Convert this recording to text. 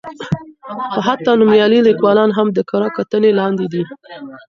خو حتی نومیالي لیکوالان هم د کره کتنې لاندې دي.